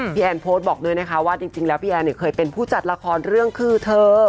แอนโพสต์บอกด้วยนะคะว่าจริงแล้วพี่แอนเนี่ยเคยเป็นผู้จัดละครเรื่องคือเธอ